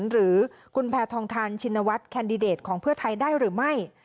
หรือคุณแพทองทานชินวัฒน์แคนดิเดตของเพื่อไทยได้หรือไม่